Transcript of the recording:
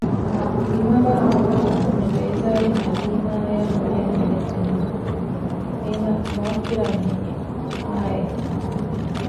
ދިމާވާގޮތަކުން މިބޭޒާރެއް ނަދީމާއާ ހަމަޔަށް ހިނގައްޖެ ނަމަ އޭނާ މާފުކުރާނެ ހެއްޔެވެ؟ އާއެނއް